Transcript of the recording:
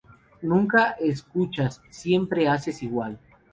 Nunca escuchas. Siempre haces igual.